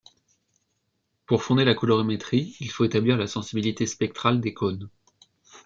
Pour fonder la colorimétrie, il faut établir la sensibilité spectrale des cônes.